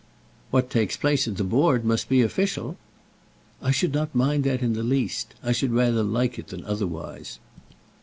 "What takes place at the Board must be official." "I shall not mind that in the least. I should rather like it than otherwise."